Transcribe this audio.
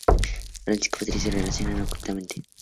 Francisco y Patricia se relacionan ocultamente.